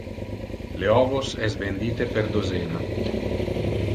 Le ovos es vendite per dozena.